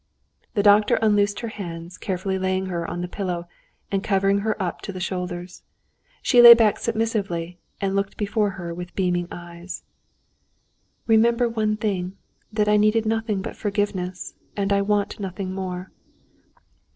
The doctor unloosed her hands, carefully laying her on the pillow, and covered her up to the shoulders. She lay back submissively, and looked before her with beaming eyes. "Remember one thing, that I needed nothing but forgiveness, and I want nothing more....